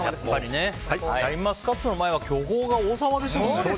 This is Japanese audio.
シャインマスカットの前は巨峰が王様でしたよね。